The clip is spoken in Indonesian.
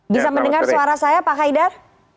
bisa mendengar suara saya pak haidar